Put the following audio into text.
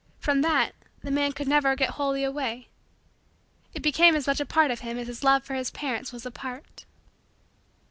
From that the man could never get wholly away. It became as much a part of him as his love for his parents was a part.